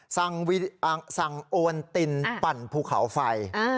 สั่งโอนตินปั่นภูเขาไฟ